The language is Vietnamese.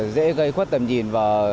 dễ gây khuất tầm nhìn